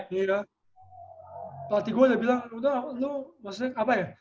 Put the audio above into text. berarti gue udah bilang udah lo maksudnya apa ya